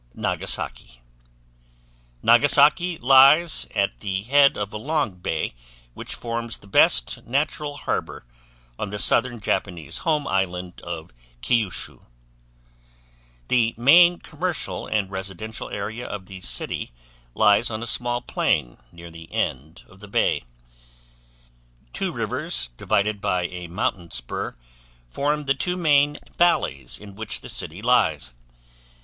Nagasaki Nagasaki lies at the head of a long bay which forms the best natural harbor on the southern Japanese home island of Kyushu. The main commercial and residential area of the city lies on a small plain near the end of the bay. Two rivers divided by a mountain spur form the two main valleys in which the city lies.